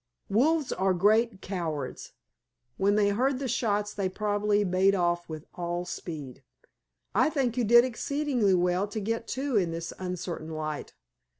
"Wolves are great cowards. When they heard the shots they probably made off with all speed. I think you did exceedingly well to get two in this uncertain light.